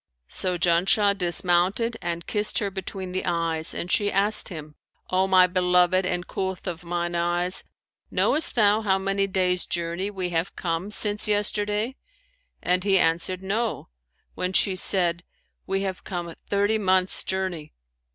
So Janshah dismounted and kissed her between the eyes; and she asked him, 'O my beloved and coolth of mine eyes, knowest thou how many days' journey we have come since yesterday?'; and he answered, 'No,' when she said, 'We have come thirty months' journey.'